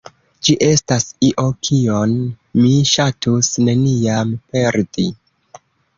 Ĝi estas io, kion mi ŝatus neniam perdi.